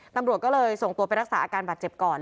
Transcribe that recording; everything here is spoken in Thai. ตำรวจก็เลยส่งตัวไปรักษาอาการบาดเจ็บก่อน